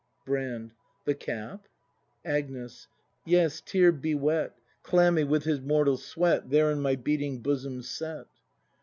Brand. The cap ? Agnes. Yes, tear bewet. Clammy with his mortal sweat. There in my beating bosom set!